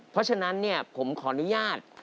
เพราะฉะนั้นผมขออนุญาต